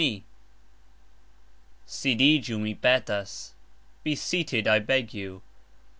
Sidigxu, mi petas. Be seated, I beg (you).